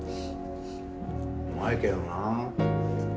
うまいけどなあ。